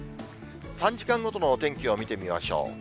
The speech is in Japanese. ３時間ごとのお天気を見てみましょう。